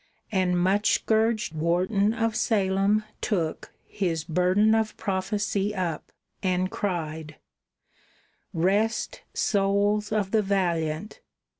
And much scourged Wharton of Salem took His burden of prophecy up and cried: "Rest, souls of the valiant!